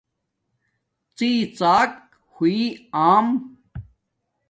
ڎی ڎاک ہوئئ آم